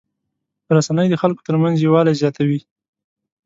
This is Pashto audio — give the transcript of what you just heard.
رسنۍ د خلکو ترمنځ یووالی زیاتوي.